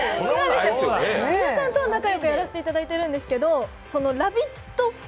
皆さんとは仲良くやらせていただいているんですけど「ラヴィット！」